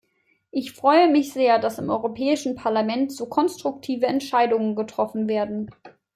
Ich freue mich sehr, dass im Europäischen Parlament so konstruktive Entscheidungen getroffen werden.